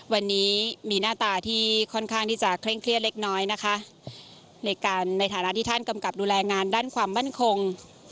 วันนี้มีหน้าตาที่ค่อนข้างที่จะเคร่งเครียดเล็กน้อยนะคะในการในฐานะที่ท่านกำกับดูแลงานด้านความมั่นคง